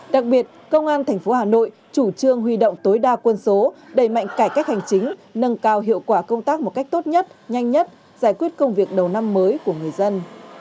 đặc biệt công an tp hà nội chủ trương huy động tối đa quân số đẩy mạnh cải cách hành chính nâng cao hiệu quả công tác một cách tốt nhất nhanh nhất giải quyết công việc đầu năm mới của người dân